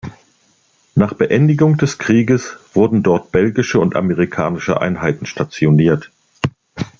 Nach Beendigung des Krieges wurden dort belgische und amerikanische Einheiten stationiert.